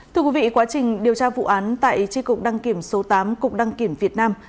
thưa quý vị quá trình điều tra vụ án tại tri cục đăng kiểm số tám cục đăng kiểm việt nam